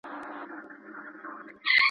ښه ذهنیت کرکه نه راوړي.